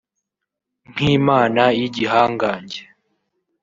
nk’Imana y’igihangange